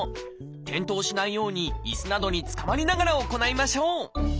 転倒しないようにいすなどにつかまりながら行いましょう。